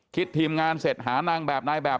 ทีมงานเสร็จหานางแบบนายแบบ